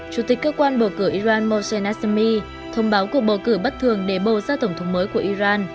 chủ tịch cơ quan bầu cử iran mosel nasomy thông báo cuộc bầu cử bất thường để bầu ra tổng thống mới của iran